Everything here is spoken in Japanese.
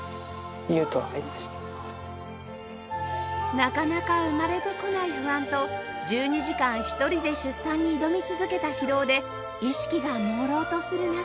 なかなか生まれてこない不安と１２時間１人で出産に挑み続けた疲労で意識が朦朧とする中